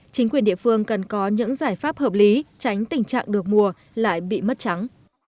chính quyền địa phương cần có những giải pháp hợp lý tránh tình trạng được mùa lại bị mất trắng